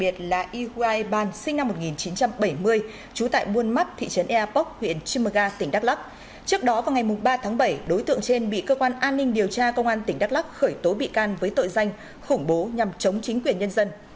cơ quan an ninh điều tra công an tỉnh đắk lắk cho biết đơn vị vừa ra quyết định truy nã đặc biệt một bị can trong vụ khủng bố nhằm chống chính quyền nhân dân